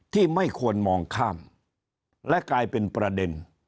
ไม่ควรมองข้ามและกลายเป็นประเด็น